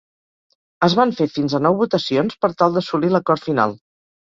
Es van fer fins a nou votacions per tal d’assolir l’acord final.